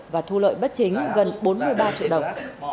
và thu lợi bất chính gần bốn mươi ba triệu đồng